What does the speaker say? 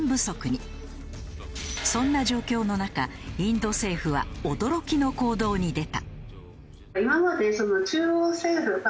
そんな状況の中インド政府は驚きの行動に出た。